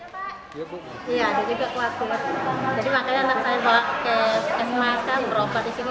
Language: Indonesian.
jadi makanya anak saya bawa ke puskesmas kan berobat disini